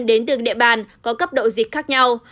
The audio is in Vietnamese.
đến từng địa bàn có cấp độ dịch khác nhau